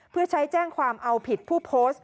เพื่อใช้แจ้งความเอาผิดผู้โพสต์